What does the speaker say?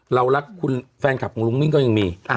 เรารักคุณแฟนคลับของลุงมิ้งก็ยังมี